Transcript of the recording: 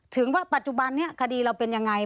ถึงว่าปัจจุบันนี้คดีเราเป็นยังไง